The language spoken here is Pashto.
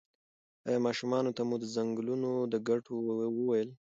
ایا ماشومانو ته مو د ځنګلونو د ګټو وویل؟